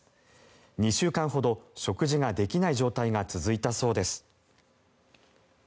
２週間ほど食事ができない状態が続いたそうです。